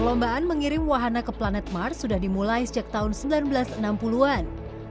perlombaan mengirim wahana ke planet mars sudah dimulai sejak tahun seribu sembilan ratus enam puluh an